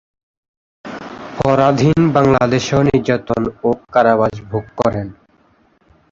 পরাধীন বাংলাদেশেও নির্যাতন ও কারাবাস ভোগ করেন।